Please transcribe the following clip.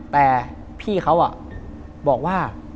แต่พี่เขาบอกว่า